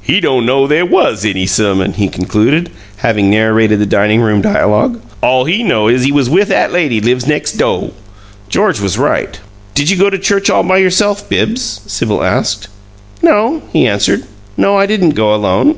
"He don't know they WAS any suhmon!" he concluded, having narrated the dining room dialogue. "All he know is he was with 'at lady lives nex' do'!" George was right. "Did you go to church all by yourself, Bibbs?" Sibyl asked. "No," he answered. "No, I didn't go alone."